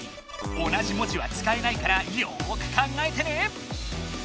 同じもじは使えないからよく考えてね！